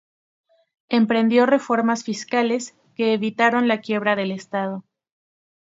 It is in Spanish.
Emprendió reformas fiscales que evitaron la quiebra del estado.